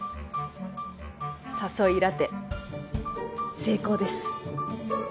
誘いラテ成功です。